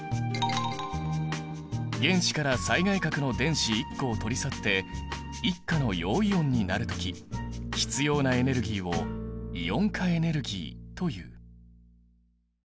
原子から最外殻の電子１個を取り去って１価の陽イオンになる時必要なエネルギーをイオン化エネルギーという。